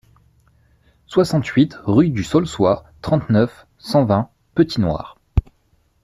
soixante-huit rue du Saulçois, trente-neuf, cent vingt, Petit-Noir